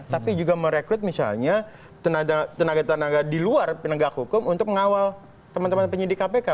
tapi juga merekrut misalnya tenaga tenaga di luar penegak hukum untuk mengawal teman teman penyidik kpk